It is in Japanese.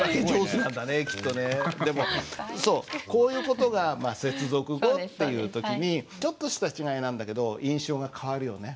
でもそうこういう事がまあ接続語っていう時にちょっとした違いなんだけど印象が変わるよね。